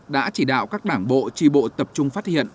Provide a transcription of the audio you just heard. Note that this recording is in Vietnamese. đã chỉ đạo các đảng bộ tri bộ tập trung phát hiện